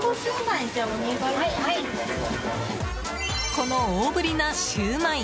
この大ぶりなシューマイ。